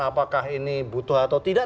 apakah ini butuh atau tidak